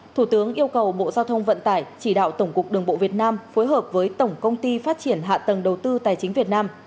thủ tướng yêu cầu bộ giao thông vận tải chỉ đạo tổng cục đường bộ việt nam phối hợp với tổng công ty phát triển hạ tầng đầu tư tài chính việt nam